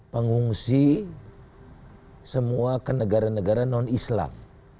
pengungsi semua ke negara negara non islam